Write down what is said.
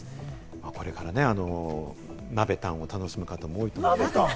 これから鍋たんを楽しむ方も多いと思います。